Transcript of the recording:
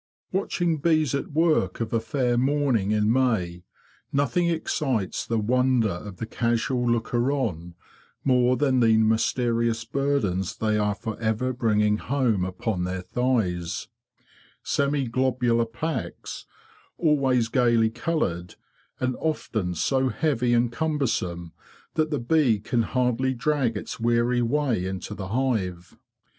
Watching bees at work of a fair morning in May, nothing excites the wonder of the casual looker on more than the mysterious burdens they are for ever bringing home upon their thighs; semi globular packs, always gaily coloured, and cften so heavy and cumbersome that the bee can hardly drag its weary way into the hive.